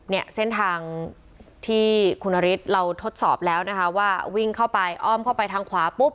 เนี่ยเส้นทางที่คุณนฤทธิ์เราทดสอบแล้วนะคะว่าวิ่งเข้าไปอ้อมเข้าไปทางขวาปุ๊บ